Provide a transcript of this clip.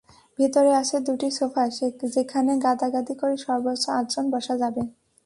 ভেতরে আছে দুটি সোফা, যেখানে গাদাগাদি করে সর্বোচ্চ আটজন বসা যাবে।